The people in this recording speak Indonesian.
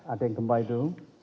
ada yang gempa itu